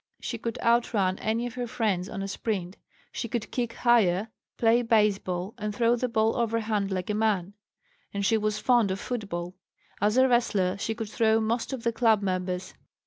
"She could outrun any of her friends on a sprint; she could kick higher, play baseball, and throw the ball overhand like a man, and she was fond of football. As a wrestler she could throw most of the club members."